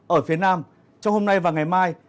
ở phía nam trong hôm nay và ngày mai